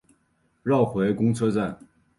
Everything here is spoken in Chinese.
绕回公车站